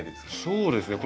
そうですね。